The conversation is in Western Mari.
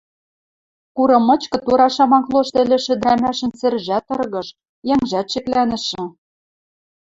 Курым мычкы тура шамак лошты ӹлӹшӹ ӹдӹрӓмӓшӹн сӹржӓт тыргыж, йӓнгжӓт шеклӓнӹшӹ.